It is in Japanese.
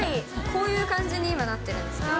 こういう感じに今、なってるんですけど。